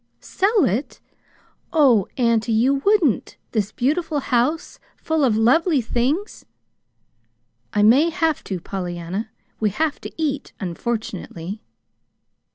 "Sell it! Oh, auntie, you wouldn't this beautiful house full of lovely things!" "I may have to, Pollyanna. We have to eat unfortunately."